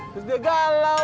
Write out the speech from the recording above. terus dia galau